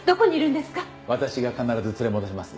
私が必ず連れ戻します。